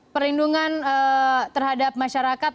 perlindungan terhadap masyarakat